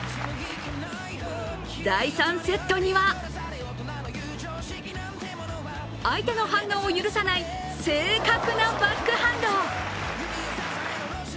第３セットには相手の反応を許さない、正確なバックハンド。